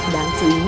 đáng chú ý